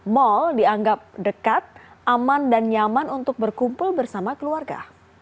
mal dianggap dekat aman dan nyaman untuk berkumpul bersama keluarga